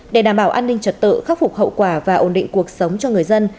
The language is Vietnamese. để đảm bảo an ninh trật tự khắc phục hậu quả và ổn định cuộc sống cho người dân